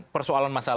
persoalan masalah lain